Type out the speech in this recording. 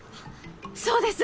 そうです！